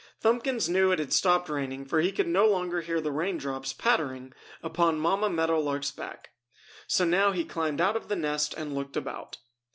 Thumbkins knew it had stopped raining for he could no longer hear the rain drops pattering upon Mamma Meadow Lark's back. So now he climbed out of the nest and looked about.